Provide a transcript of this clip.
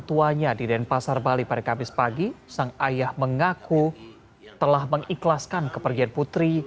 tuanya di denpasar bali pada kamis pagi sang ayah mengaku telah mengikhlaskan kepergian putri